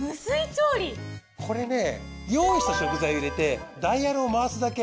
これね用意した食材を入れてダイヤルを回すだけ。